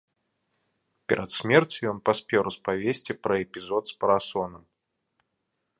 Перад смерцю ён паспеў распавесці пра эпізод з парасонам.